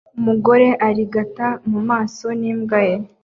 Umugore urigata mumaso n'imbwa ye